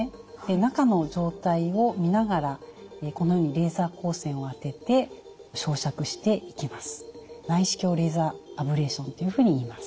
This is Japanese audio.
中の状態を見ながらこのようにレーザー光線を当てて焼灼していきます。